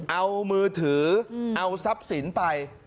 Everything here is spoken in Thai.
เอามือถือเอาทรัพย์สินไป